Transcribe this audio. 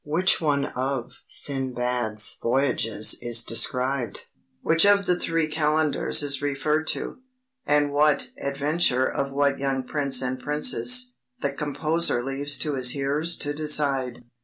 Which one of Sindbad's voyages is described, which of the three Kalendars is referred to, and what adventure of what young prince and princess, the composer leaves to his hearers to decide.